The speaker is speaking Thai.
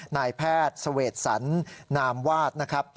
นายแพทย์เสวดสรรนามวาดนะครับ